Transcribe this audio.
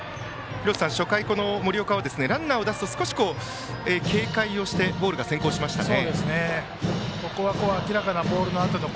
廣瀬さん、初回、森岡はランナーを出すと少し警戒してそうでしたね。